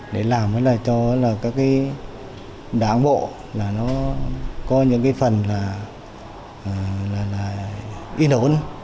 để làm cho các cái đảng bộ là nó có những cái phần là in ổn